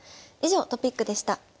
以上トピックでした。